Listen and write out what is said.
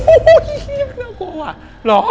โอ้โฮเหี้ยเครื่องกลัวว่ะหรอ